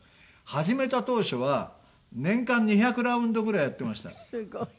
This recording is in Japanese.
始めた当初は年間２００ラウンドぐらいやってました。